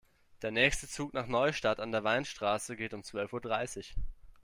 Der nächste Zug nach Neustadt an der Weinstraße geht um zwölf Uhr dreißig